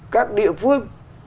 các địa phương